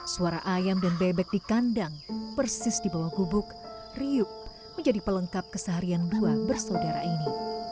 suara ayam dan bebek di kandang persis di bawah gubuk riuk menjadi pelengkap keseharian dua bersaudara ini